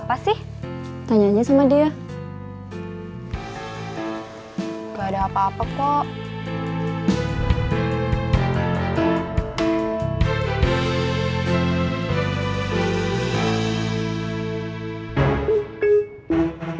aku mau ke ktm